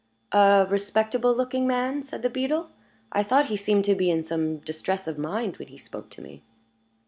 "A respectable looking man," said the beadle. "I thought he seemed to be in some distress of mind when he spoke to me."